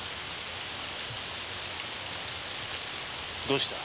どうした？